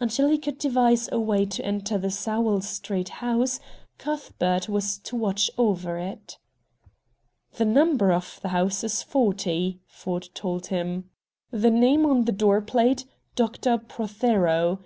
Until he could devise a way to enter the Sowell Street house. Cuthbert was to watch over it. "The number of the house is forty," Ford told him; "the name on the door plate, Dr. Prothero.